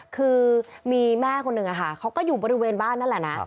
คือมีแม่คนหนึ่งเขาก็อยู่บริเวณบ้านนั่นแหละนะ